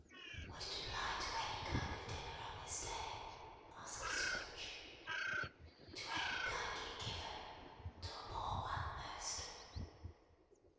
"Would it apply to any kind of dinner on this day?" asked Scrooge. "To any kindly given. To a poor one most."